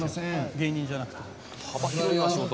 芸人じゃなくても」